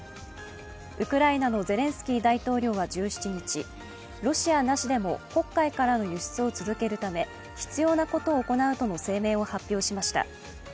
ウクライナのゼレンスキー大統領は１７日、ロシアなしでも黒海からの輸出を続けるため必要なことを行うとの声明を発表しました。